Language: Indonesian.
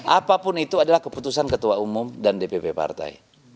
apapun itu adalah keputusan ketua umum dan dpp partai